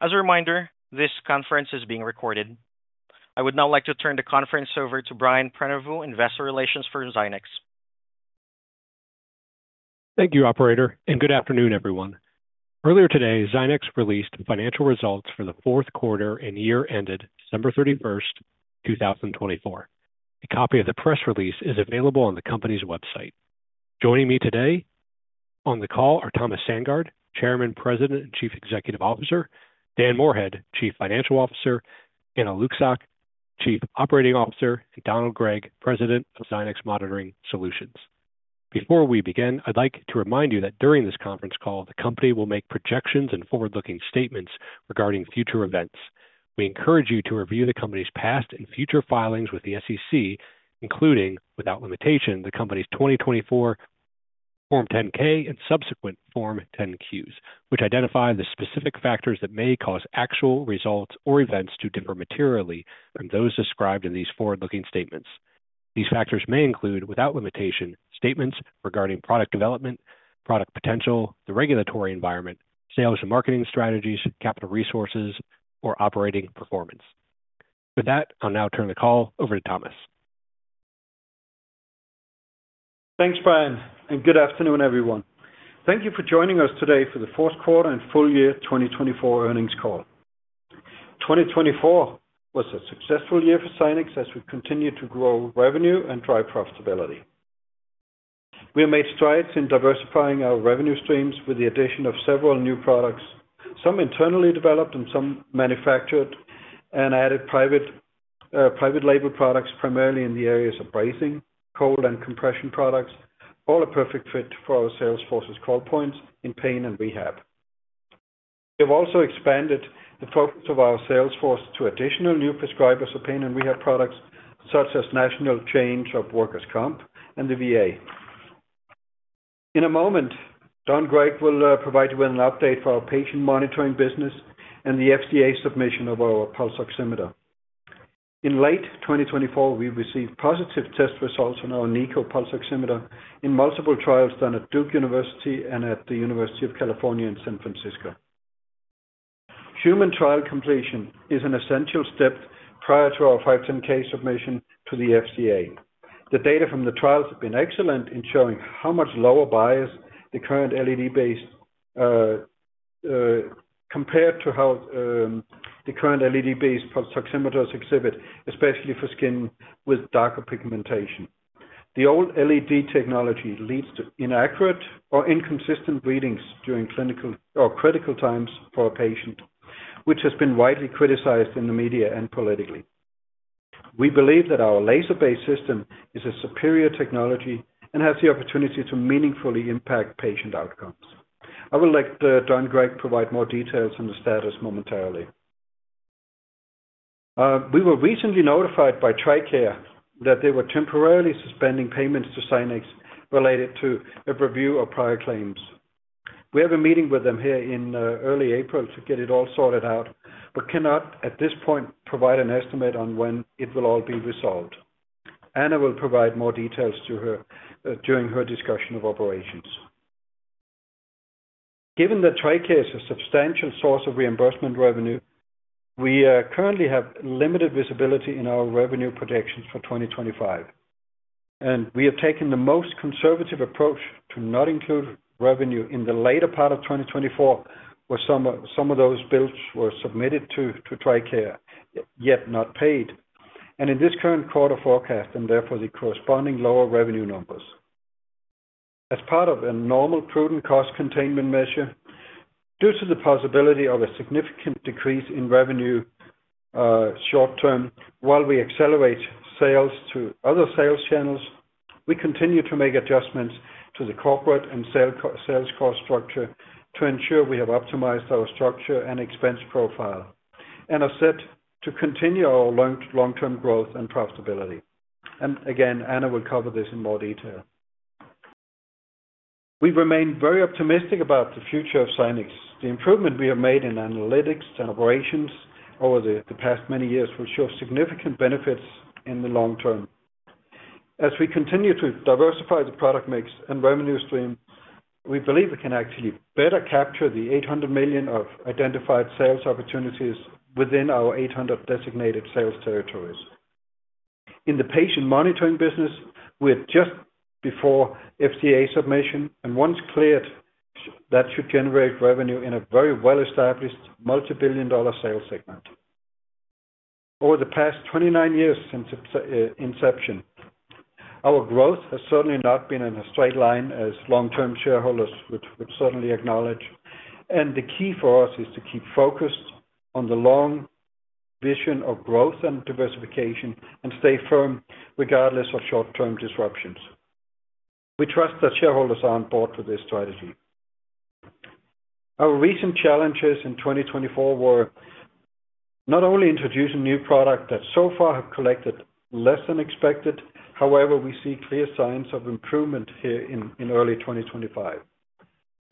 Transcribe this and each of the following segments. As a reminder, this conference is being recorded. I would now like to turn the conference over to Brian Prenoveau, Investor Relations for Zynex. Thank you, Operator, and good afternoon, everyone. Earlier today, Zynex released financial results for the fourth quarter and year ended December 31st, 2024. A copy of the press release is available on the company's website. Joining me today on the call are Thomas Sandgaard, Chairman, President, and Chief Executive Officer; Dan Moorhead, Chief Financial Officer; Anna Lucsok, Chief Operating Officer; and Donald Gregg, President of Zynex Monitoring Solutions. Before we begin, I'd like to remind you that during this conference call, the company will make projections and forward-looking statements regarding future events. We encourage you to review the company's past and future filings with the SEC, including, without limitation, the company's 2024 Form 10-K and subsequent Form 10-Qs, which identify the specific factors that may cause actual results or events to differ materially from those described in these forward-looking statements. These factors may include, without limitation, statements regarding product development, product potential, the regulatory environment, sales and marketing strategies, capital resources, or operating performance. With that, I'll now turn the call over to Thomas. Thanks, Brian, and good afternoon, everyone. Thank you for joining us today for the fourth quarter and full year 2024 earnings call. 2024 was a successful year for Zynex as we continued to grow revenue and drive profitability. We have made strides in diversifying our revenue streams with the addition of several new products, some internally developed and some manufactured, and added private label products primarily in the areas of bracing, cold, and compression products, all a perfect fit for our sales force's call points in pain and rehab. We have also expanded the focus of our sales force to additional new prescribers of pain and rehab products, such as national chains, workers' comp and the VA. In a moment, Donald Gregg will provide you with an update for our patient monitoring business and the FDA submission of our pulse oximeter. In late 2024, we received positive test results on our NiCO pulse oximeter in multiple trials done at Duke University and at the University of California, San Francisco. Human trial completion is an essential step prior to our 510(k) submission to the FDA. The data from the trials have been excellent in showing how much lower bias than the current LED-based compared to how the current LED-based pulse oximeters exhibit, especially for skin with darker pigmentation. The old LED technology leads to inaccurate or inconsistent readings during critical times for a patient, which has been widely criticized in the media and politically. We believe that our laser-based system is a superior technology and has the opportunity to meaningfully impact patient outcomes. I would like Don Gregg to provide more details on the status momentarily. We were recently notified by TRICARE that they were temporarily suspending payments to Zynex related to a review of prior claims. We have a meeting with them here in early April to get it all sorted out, but cannot at this point provide an estimate on when it will all be resolved. Anna will provide more details to her during her discussion of operations. Given that TRICARE is a substantial source of reimbursement revenue, we currently have limited visibility in our revenue projections for 2025. We have taken the most conservative approach to not include revenue in the later part of 2024, where some of those bills were submitted to TRICARE yet not paid, and in this current quarter forecast, and therefore the corresponding lower revenue numbers. As part of a normal prudent cost containment measure, due to the possibility of a significant decrease in revenue short-term, while we accelerate sales to other sales channels, we continue to make adjustments to the corporate and sales cost structure to ensure we have optimized our structure and expense profile and are set to continue our long-term growth and profitability. Anna will cover this in more detail. We remain very optimistic about the future of Zynex. The improvement we have made in analytics and operations over the past many years will show significant benefits in the long term. As we continue to diversify the product mix and revenue stream, we believe we can actually better capture the $800 million of identified sales opportunities within our 800 designated sales territories. In the patient monitoring business, we're just before FDA submission, and once cleared, that should generate revenue in a very well-established multi-billion dollar sales segment. Over the past 29 years since inception, our growth has certainly not been in a straight line as long-term shareholders would certainly acknowledge. The key for us is to keep focused on the long vision of growth and diversification and stay firm regardless of short-term disruptions. We trust that shareholders are on board with this strategy. Our recent challenges in 2024 were not only introducing new products that so far have collected less than expected; however, we see clear signs of improvement here in early 2025.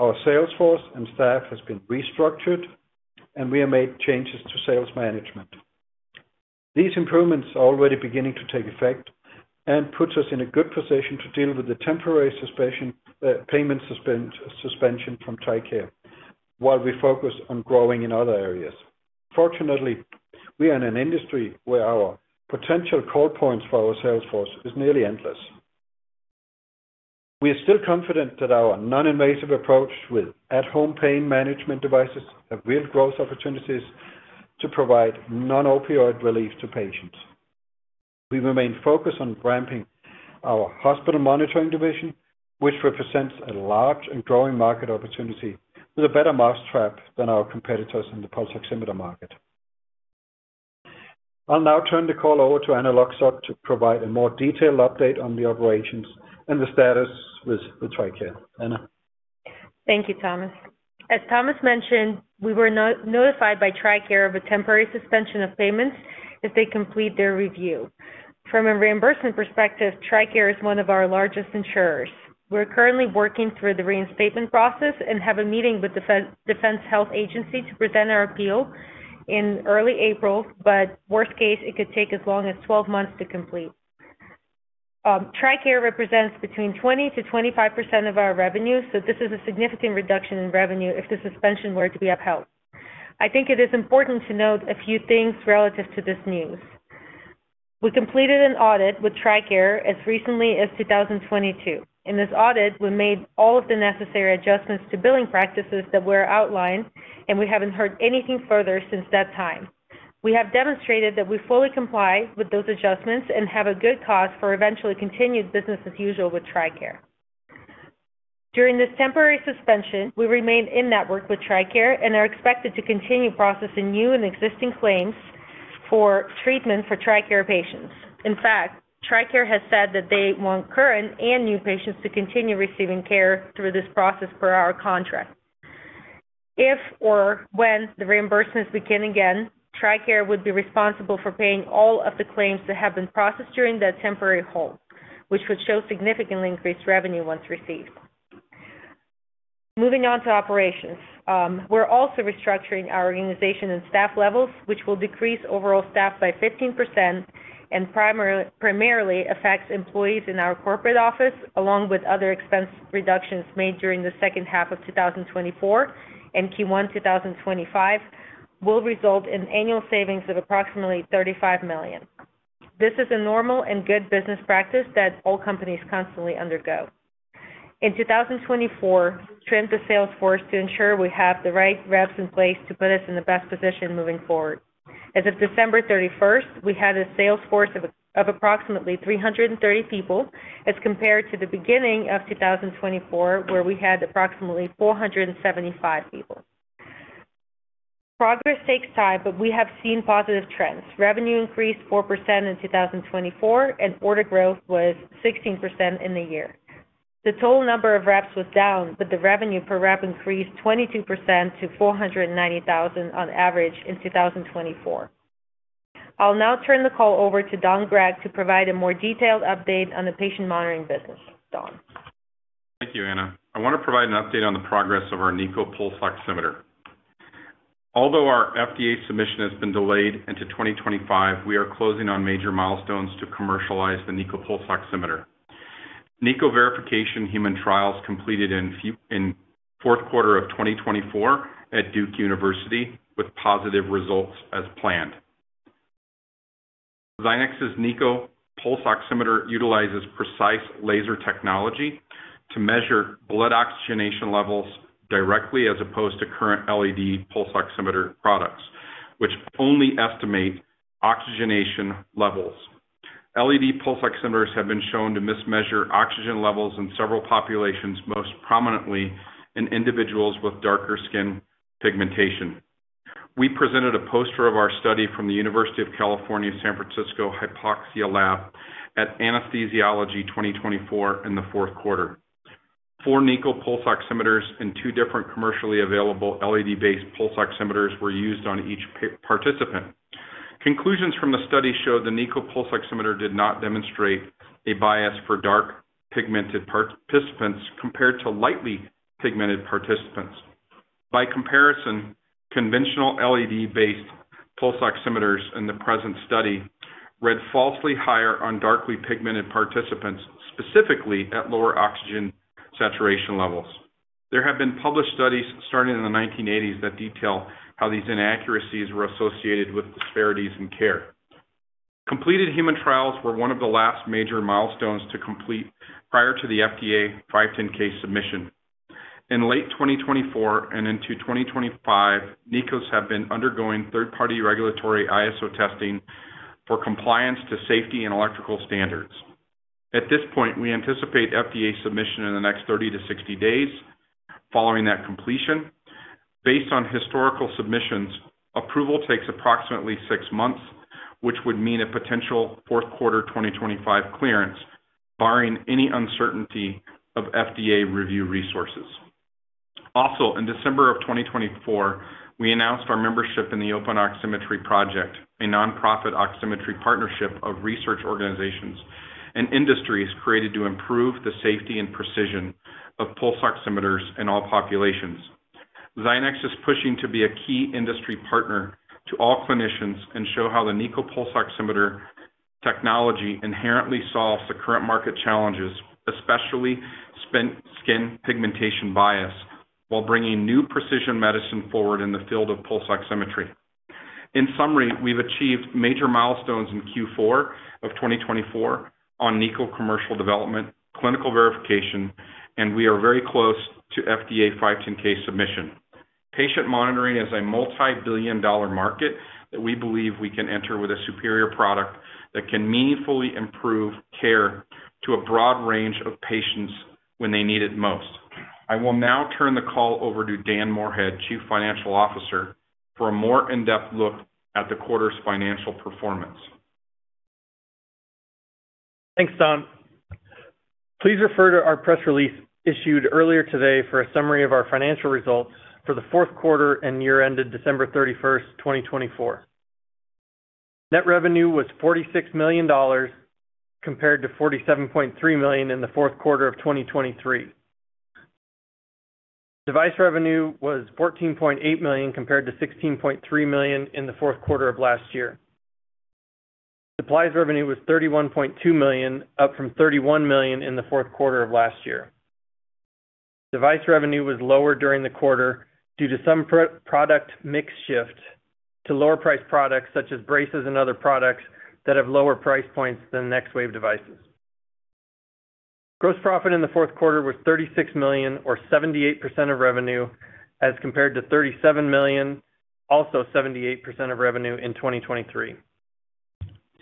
Our sales force and staff have been restructured, and we have made changes to sales management. These improvements are already beginning to take effect and put us in a good position to deal with the temporary payment suspension from TRICARE while we focus on growing in other areas. Fortunately, we are in an industry where our potential call points for our sales force is nearly endless. We are still confident that our non-invasive approach with at-home pain management devices has real growth opportunities to provide non-opioid relief to patients. We remain focused on ramping our hospital monitoring division, which represents a large and growing market opportunity with a better mousetrap than our competitors in the pulse oximeter market. I'll now turn the call over to Anna Lucsok to provide a more detailed update on the operations and the status with TRICARE. Anna. Thank you, Thomas. As Thomas mentioned, we were notified by TRICARE of a temporary suspension of payments as they complete their review. From a reimbursement perspective, TRICARE is one of our largest insurers. We're currently working through the reinstatement process and have a meeting with the Defense Health Agency to present our appeal in early April. Worst case, it could take as long as 12 months to complete. TRICARE represents between 20%-25% of our revenue, so this is a significant reduction in revenue if the suspension were to be upheld. I think it is important to note a few things relative to this news. We completed an audit with TRICARE as recently as 2022. In this audit, we made all of the necessary adjustments to billing practices that were outlined, and we haven't heard anything further since that time. We have demonstrated that we fully comply with those adjustments and have a good cause for eventually continued business as usual with TRICARE. During this temporary suspension, we remain in network with TRICARE and are expected to continue processing new and existing claims for treatment for TRICARE patients. In fact, TRICARE has said that they want current and new patients to continue receiving care through this process per our contract. If or when the reimbursements begin again, TRICARE would be responsible for paying all of the claims that have been processed during that temporary hold, which would show significantly increased revenue once received. Moving on to operations, we're also restructuring our organization and staff levels, which will decrease overall staff by 15% and primarily affects employees in our corporate office, along with other expense reductions made during the second half of 2024 and Q1 2025, will result in annual savings of approximately $35 million. This is a normal and good business practice that all companies constantly undergo. In 2024, we trained the sales force to ensure we have the right reps in place to put us in the best position moving forward. As of December 31st, we had a sales force of approximately 330 people as compared to the beginning of 2024, where we had approximately 475 people. Progress takes time, but we have seen positive trends. Revenue increased 4% in 2024, and order growth was 16% in the year. The total number of reps was down, but the revenue per rep increased 22% to $490,000 on average in 2024. I'll now turn the call over to Don Gregg to provide a more detailed update on the patient monitoring business. Don. Thank you, Anna. I want to provide an update on the progress of our NiCO pulse oximeter. Although our FDA submission has been delayed into 2025, we are closing on major milestones to commercialize the NiCO pulse oximeter. NiCO verification human trials completed in fourth quarter of 2024 at Duke University with positive results as planned. Zynex's NiCO pulse oximeter utilizes precise laser technology to measure blood oxygenation levels directly as opposed to current LED pulse oximeter products, which only estimate oxygenation levels. LED pulse oximeters have been shown to mismeasure oxygen levels in several populations, most prominently in individuals with darker skin pigmentation. We presented a poster of our study from the University of California, San Francisco Hypoxia Lab at Anesthesiology 2024 in the fourth quarter. Four NiCO pulse oximeters and two different commercially available LED-based pulse oximeters were used on each participant. Conclusions from the study showed the NiCO pulse oximeter did not demonstrate a bias for dark pigmented participants compared to lightly pigmented participants. By comparison, conventional LED-based pulse oximeters in the present study read falsely higher on darkly pigmented participants, specifically at lower oxygen saturation levels. There have been published studies starting in the 1980s that detail how these inaccuracies were associated with disparities in care. Completed human trials were one of the last major milestones to complete prior to the FDA 510(k) submission. In late 2024 and into 2025, NiCOs have been undergoing third-party regulatory ISO testing for compliance to safety and electrical standards. At this point, we anticipate FDA submission in the next 30 days-60 days following that completion. Based on historical submissions, approval takes approximately six months, which would mean a potential fourth quarter 2025 clearance, barring any uncertainty of FDA review resources. Also, in December of 2024, we announced our membership in the Open Oximetry Project, a nonprofit oximetry partnership of research organizations and industries created to improve the safety and precision of pulse oximeters in all populations. Zynex is pushing to be a key industry partner to all clinicians and show how the NiCO pulse oximeter technology inherently solves the current market challenges, especially skin pigmentation bias, while bringing new precision medicine forward in the field of pulse oximetry. In summary, we've achieved major milestones in Q4 of 2024 on NiCO commercial development, clinical verification, and we are very close to FDA 510(k) submission. Patient monitoring is a multi-billion dollar market that we believe we can enter with a superior product that can meaningfully improve care to a broad range of patients when they need it most. I will now turn the call over to Dan Moorhead, Chief Financial Officer, for a more in-depth look at the quarter's financial performance. Thanks, Don. Please refer to our press release issued earlier today for a summary of our financial results for the fourth quarter and year-ended December 31st, 2024. Net revenue was $46 million compared to $47.3 million in the fourth quarter of 2023. Device revenue was $14.8 million compared to $16.3 million in the fourth quarter of last year. Supplies revenue was $31.2 million, up from $31 million in the fourth quarter of last year. Device revenue was lower during the quarter due to some product mix shift to lower-priced products such as braces and other products that have lower price points than NexWave devices. Gross profit in the fourth quarter was $36 million, or 78% of revenue, as compared to $37 million, also 78% of revenue in 2023.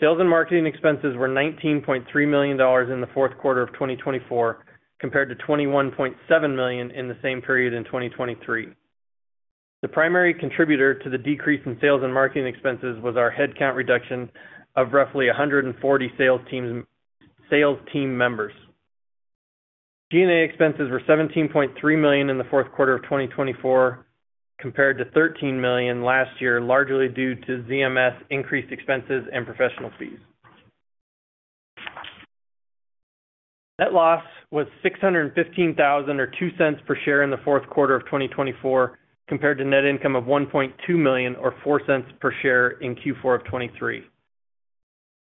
Sales and marketing expenses were $19.3 million in the fourth quarter of 2024 compared to $21.7 million in the same period in 2023. The primary contributor to the decrease in sales and marketing expenses was our headcount reduction of roughly 140 sales team members. G&A expenses were $17.3 million in the fourth quarter of 2024 compared to $13 million last year, largely due to ZMS increased expenses and professional fees. Net loss was $615,000 or $0.02 per share in the fourth quarter of 2024 compared to net income of $1.2 million or $0.04 per share in Q4 of 2023.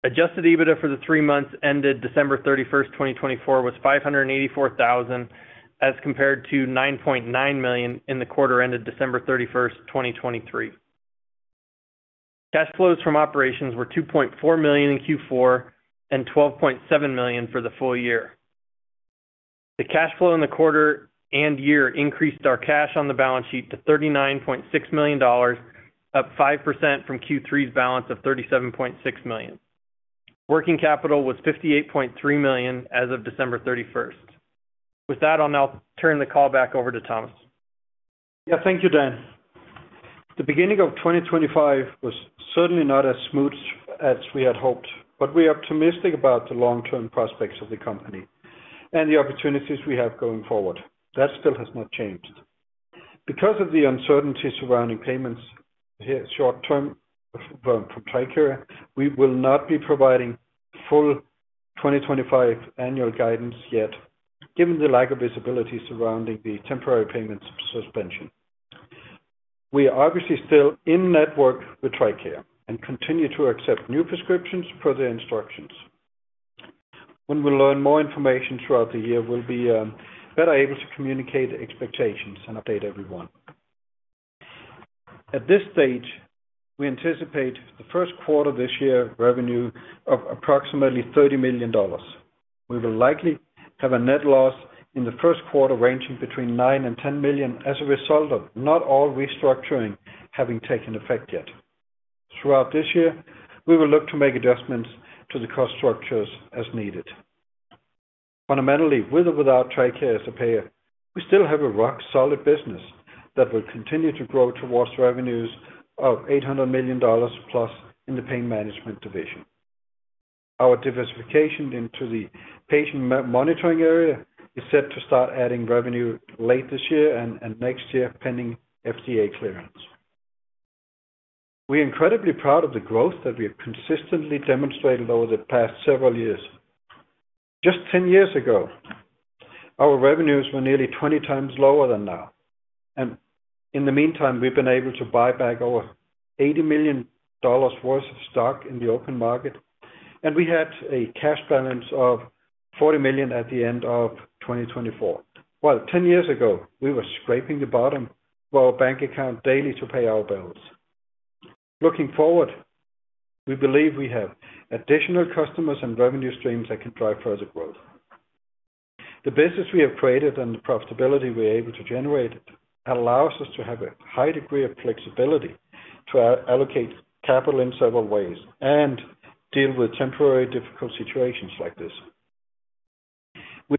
Adjusted EBITDA for the three months ended December 31st, 2024 was $584,000 as compared to $9.9 million in the quarter ended December 31st, 2023. Cash flows from operations were $2.4 million in Q4 and $12.7 million for the full year. The cash flow in the quarter and year increased our cash on the balance sheet to $39.6 million, up 5% from Q3's balance of $37.6 million. Working capital was $58.3 million as of December 31. With that, I'll now turn the call back over to Thomas. Yeah, thank you, Dan. The beginning of 2025 was certainly not as smooth as we had hoped, but we are optimistic about the long-term prospects of the company and the opportunities we have going forward. That still has not changed. Because of the uncertainty surrounding payments short-term from TRICARE, we will not be providing full 2025 annual guidance yet, given the lack of visibility surrounding the temporary payments suspension. We are obviously still in network with TRICARE and continue to accept new prescriptions per their instructions. When we learn more information throughout the year, we'll be better able to communicate expectations and update everyone. At this stage, we anticipate the first quarter this year revenue of approximately $30 million. We will likely have a net loss in the first quarter ranging between $9 million and $10 million as a result of not all restructuring having taken effect yet. Throughout this year, we will look to make adjustments to the cost structures as needed. Fundamentally, with or without TRICARE as a payer, we still have a rock-solid business that will continue to grow towards revenues of $800 million plus in the Pain Management Division. Our diversification into the patient monitoring area is set to start adding revenue late this year and next year pending FDA clearance. We are incredibly proud of the growth that we have consistently demonstrated over the past several years. Just 10 years ago, our revenues were nearly 20 times lower than now. In the meantime, we've been able to buy back over $80 million worth of stock in the open market, and we had a cash balance of $40 million at the end of 2024. Ten years ago, we were scraping the bottom of our bank account daily to pay our bills. Looking forward, we believe we have additional customers and revenue streams that can drive further growth. The business we have created and the profitability we are able to generate allows us to have a high degree of flexibility to allocate capital in several ways and deal with temporary difficult situations like this.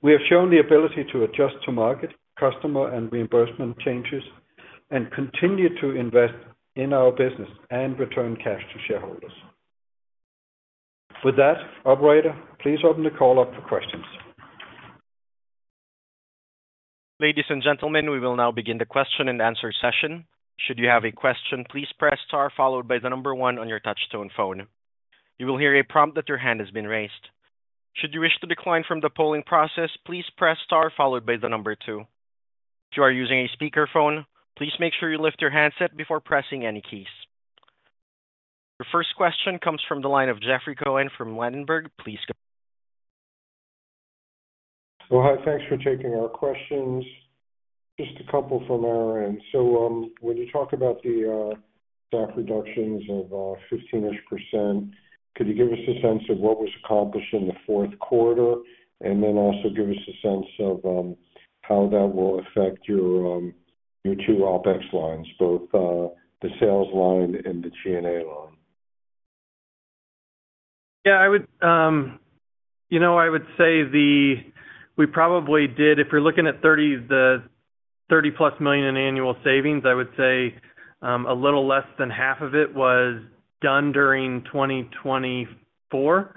We have shown the ability to adjust to market, customer, and reimbursement changes and continue to invest in our business and return cash to shareholders. With that, Operator, please open the call up for questions. Ladies and gentlemen, we will now begin the question and answer session. Should you have a question, please press star followed by the number one on your touch-tone phone. You will hear a prompt that your hand has been raised. Should you wish to decline from the polling process, please press star followed by the number two. If you are using a speakerphone, please make sure you lift your handset before pressing any keys. Your first question comes from the line of Jeffrey Cohen from Ladenburg. Please. Hi, thanks for taking our questions. Just a couple from our end. When you talk about the staff reductions of 15% ish, could you give us a sense of what was accomplished in the fourth quarter and then also give us a sense of how that will affect your two OpEx lines, both the sales line and the G&A line? Yeah, I would say we probably did, if you're looking at $30 million-plus in annual savings, I would say a little less than half of it was done during 2024.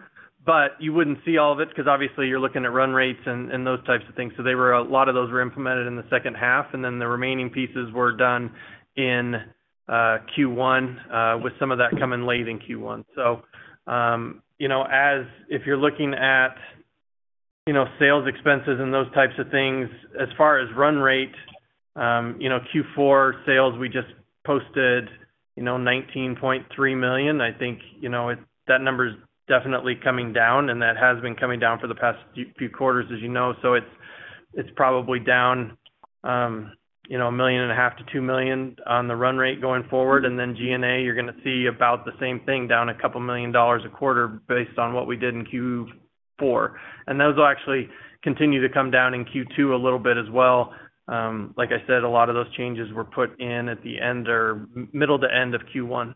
You wouldn't see all of it because obviously you're looking at run rates and those types of things. A lot of those were implemented in the second half, and then the remaining pieces were done in Q1 with some of that coming late in Q1. If you're looking at sales expenses and those types of things, as far as run rate, Q4 sales, we just posted $19.3 million. I think that number is definitely coming down, and that has been coming down for the past few quarters, as you know. It's probably down $1.5 million-$2 million on the run rate going forward. G&A, you're going to see about the same thing, down a couple of million dollars a quarter based on what we did in Q4. Those will actually continue to come down in Q2 a little bit as well. Like I said, a lot of those changes were put in at the end or middle to end of Q1.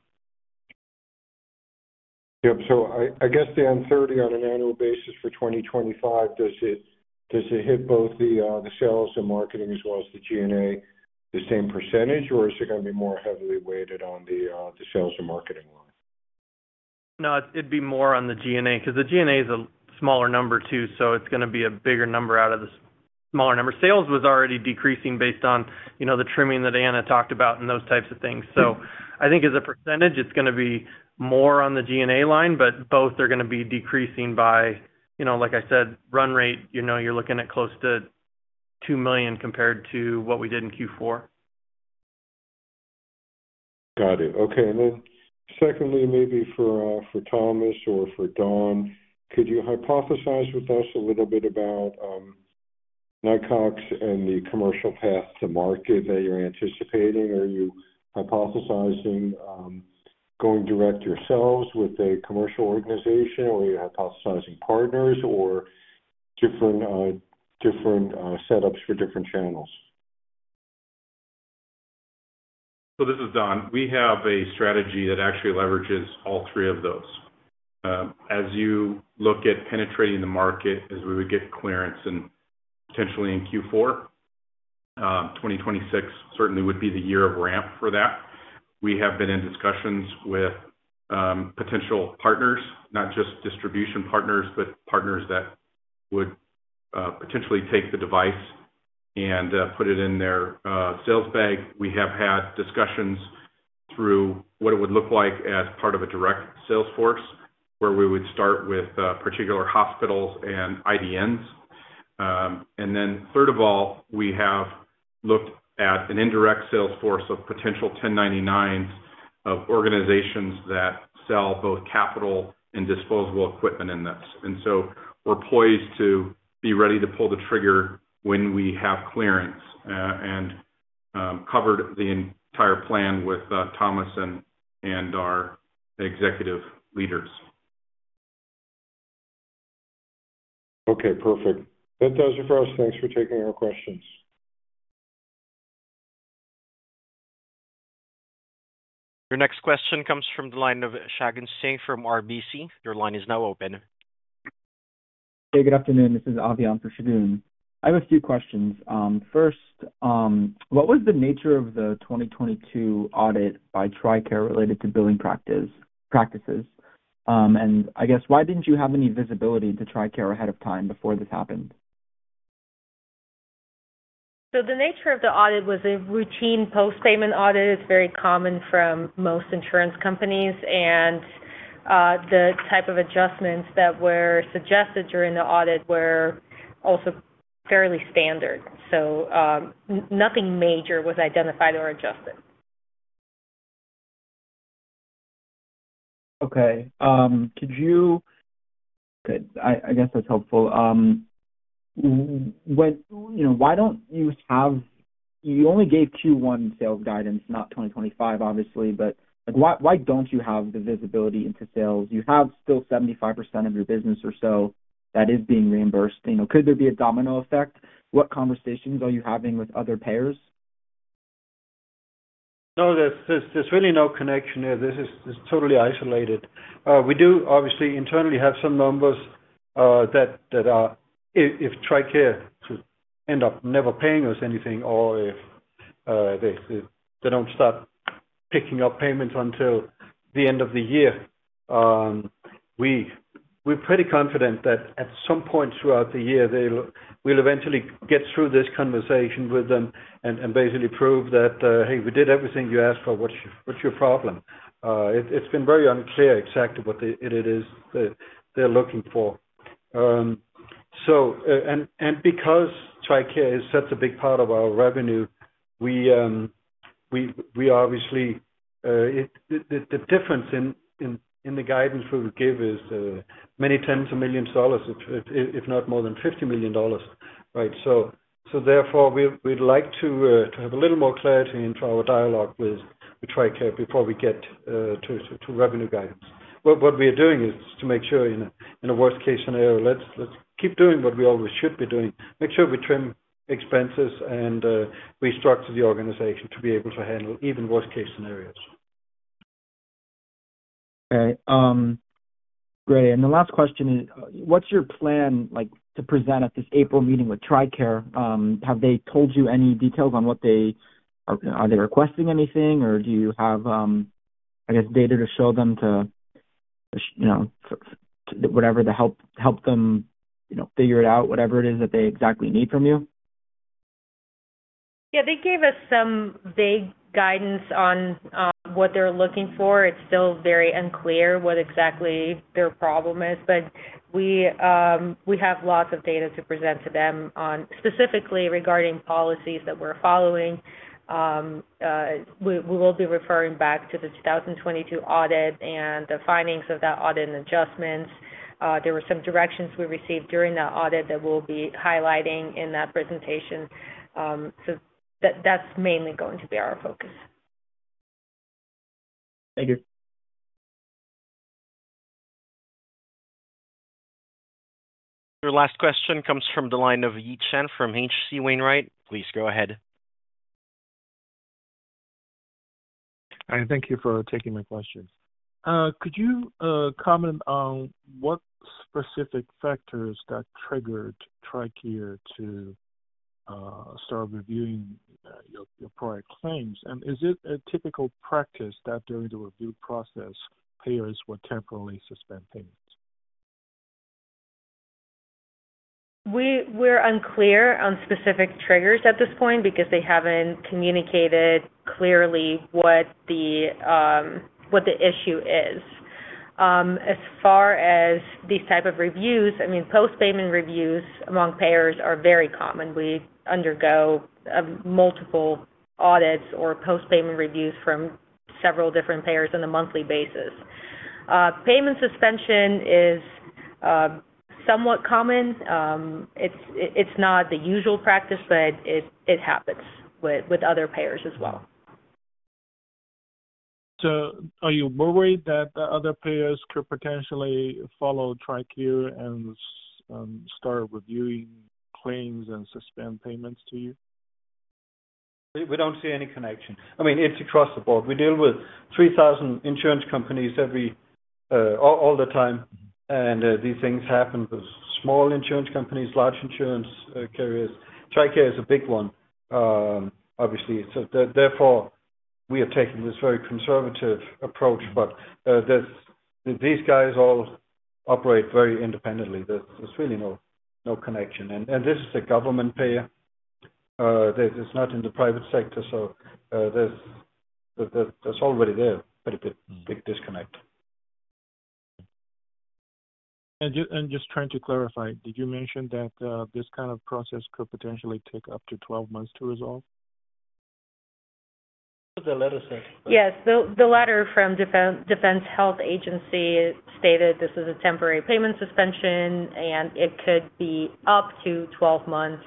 Yep. I guess the uncertainty on an annual basis for 2025, does it hit both the sales and marketing as well as the G&A the same percentage, or is it going to be more heavily weighted on the sales and marketing line? No, it'd be more on the G&A because the G&A is a smaller number too, so it's going to be a bigger number out of the smaller number. Sales was already decreasing based on the trimming that Anna talked about and those types of things. I think as a percentage, it's going to be more on the G&A line, but both are going to be decreasing by, like I said, run rate, you're looking at close to $2 million compared to what we did in Q4. Got it. Okay. Secondly, maybe for Thomas or for Don, could you hypothesize with us a little bit about NiCO and the commercial path to market that you're anticipating? Are you hypothesizing going direct yourselves with a commercial organization, or are you hypothesizing partners, or different setups for different channels? This is Don. We have a strategy that actually leverages all three of those. As you look at penetrating the market as we would get clearance and potentially in Q4, 2026 certainly would be the year of ramp for that. We have been in discussions with potential partners, not just distribution partners, but partners that would potentially take the device and put it in their sales bag. We have had discussions through what it would look like as part of a direct sales force where we would start with particular hospitals and IDNs. Third of all, we have looked at an indirect sales force of potential 1099s of organizations that sell both capital and disposable equipment in this. We are poised to be ready to pull the trigger when we have clearance and covered the entire plan with Thomas and our executive leaders. Okay. Perfect. That does it for us. Thanks for taking our questions. Your next question comes from the line of Shagun Singh from RBC. Your line is now open. Hey, good afternoon. This is Avi on for Shagun. I have a few questions. First, what was the nature of the 2022 audit by TRICARE related to billing practices? I guess, why didn't you have any visibility into TRICARE ahead of time before this happened? The nature of the audit was a routine post-payment audit. It's very common from most insurance companies. The type of adjustments that were suggested during the audit were also fairly standard. Nothing major was identified or adjusted. Okay. I guess that's helpful. Why don't you have, you only gave Q1 sales guidance, not 2025, obviously, but why don't you have the visibility into sales? You have still 75% of your business or so that is being reimbursed. Could there be a domino effect? What conversations are you having with other payers? No, there's really no connection here. This is totally isolated. We do, obviously, internally have some numbers that if TRICARE ends up never paying us anything or if they do not start picking up payments until the end of the year, we're pretty confident that at some point throughout the year, we'll eventually get through this conversation with them and basically prove that, "Hey, we did everything you asked for. What's your problem?" It has been very unclear exactly what it is they're looking for. Because TRICARE is such a big part of our revenue, obviously the difference in the guidance we would give is many tens of millions of dollars, if not more than $50 million. We'd like to have a little more clarity into our dialogue with TRICARE before we get to revenue guidance. What we are doing is to make sure in a worst-case scenario, let's keep doing what we always should be doing. Make sure we trim expenses and restructure the organization to be able to handle even worst-case scenarios. Okay. Great. The last question is, what's your plan to present at this April meeting with TRICARE? Have they told you any details on what they are requesting, or do you have, I guess, data to show them to help them figure it out, whatever it is that they exactly need from you? Yeah. They gave us some vague guidance on what they're looking for. It's still very unclear what exactly their problem is, but we have lots of data to present to them specifically regarding policies that we're following. We will be referring back to the 2022 audit and the findings of that audit and adjustments. There were some directions we received during that audit that we'll be highlighting in that presentation. That is mainly going to be our focus. Thank you. Your last question comes from the line of Yi Chen from H.C. Wainwright. Please go ahead. Hi. Thank you for taking my question. Could you comment on what specific factors that triggered TRICARE to start reviewing your prior claims? Is it a typical practice that during the review process, payers would temporarily suspend payments? We're unclear on specific triggers at this point because they haven't communicated clearly what the issue is. As far as these types of reviews, I mean, post-payment reviews among payers are very common. We undergo multiple audits or post-payment reviews from several different payers on a monthly basis. Payment suspension is somewhat common. It's not the usual practice, but it happens with other payers as well. Are you worried that other payers could potentially follow TRICARE and start reviewing claims and suspend payments to you? We don't see any connection. I mean, it's across the board. We deal with 3,000 insurance companies all the time, and these things happen with small insurance companies, large insurance carriers. TRICARE is a big one, obviously. Therefore, we are taking this very conservative approach, but these guys all operate very independently. There's really no connection. This is a government payer. It's not in the private sector, so there's already there quite a big disconnect. Just trying to clarify, did you mention that this kind of process could potentially take up to 12 months to resolve? What was the letter say? Yes. The letter from Defense Health Agency stated this is a temporary payment suspension, and it could be up to 12 months,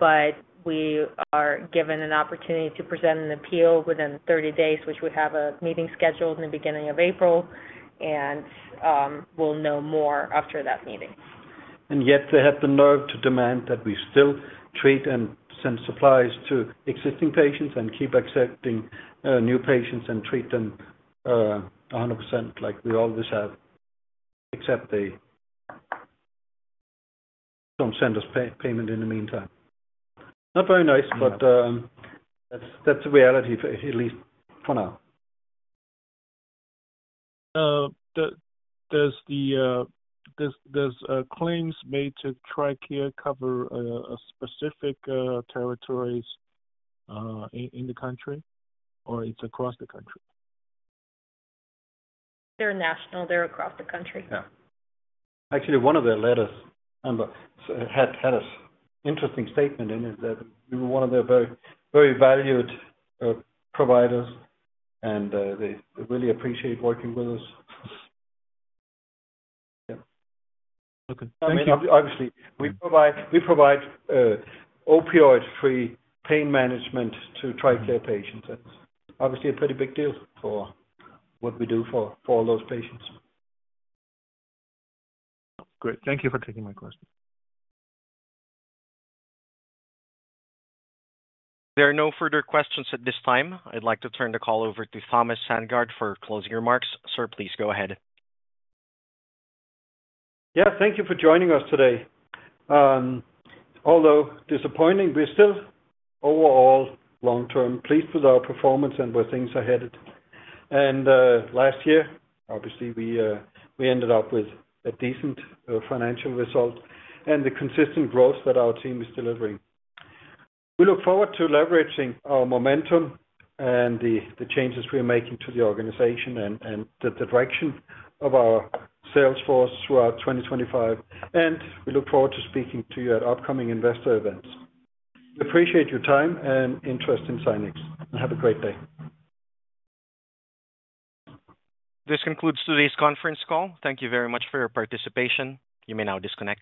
but we are given an opportunity to present an appeal within 30 days, which we have a meeting scheduled in the beginning of April, and we'll know more after that meeting. Yet they have the nerve to demand that we still treat and send supplies to existing patients and keep accepting new patients and treat them 100% like we always have, except they do not send us payment in the meantime. Not very nice, but that is the reality, at least for now. Does claims made to TRICARE cover specific territories in the country, or is it across the country? They're national. They're across the country. Yeah. Actually, one of the letters had an interesting statement in it that we were one of their very valued providers, and they really appreciate working with us. Yeah. Okay. Thank you. Obviously, we provide opioid-free pain management to TRICARE patients. That's obviously a pretty big deal for what we do for all those patients. Great. Thank you for taking my question. There are no further questions at this time. I'd like to turn the call over to Thomas Sandgaard for closing remarks. Sir, please go ahead. Yeah. Thank you for joining us today. Although disappointing, we're still overall long-term pleased with our performance and where things are headed. Last year, obviously, we ended up with a decent financial result and the consistent growth that our team is delivering. We look forward to leveraging our momentum and the changes we are making to the organization and the direction of our sales force throughout 2025. We look forward to speaking to you at upcoming investor events. We appreciate your time and interest in Zynex. Have a great day. This concludes today's conference call. Thank you very much for your participation. You may now disconnect.